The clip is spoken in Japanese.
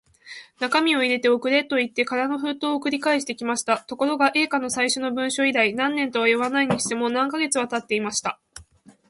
中身を入れて送れ、といって空の封筒を送り返してきました。ところが、Ａ 課の最初の文書以来、何年とはいわないにしても、何カ月かはたっていました。